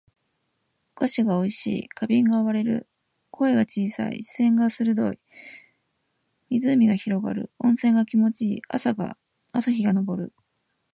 お菓子が美味しい。花瓶が割れる。声が小さい。視線が鋭い。湖が広がる。温泉が気持ち良い。朝日が昇る。